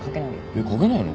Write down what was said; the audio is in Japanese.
えっ掛けないの？